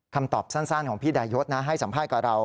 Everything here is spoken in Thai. คำตอบสั้นของพี่ดายศนะให้สัมภาษณ์กับเรา